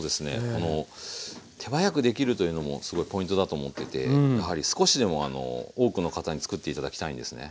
この手早くできるというのもすごいポイントだと思っててやはり少しでも多くの方に作って頂きたいんですね。